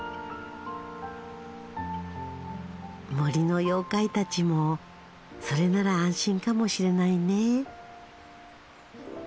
森の妖怪たちもそれなら安心かもしれないね。